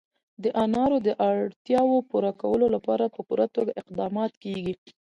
د انارو د اړتیاوو پوره کولو لپاره په پوره توګه اقدامات کېږي.